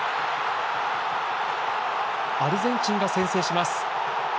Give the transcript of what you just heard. アルゼンチンが先制します。